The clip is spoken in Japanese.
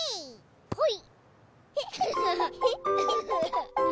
ほい！